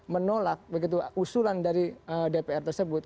menolak usulan dari dpr tersebut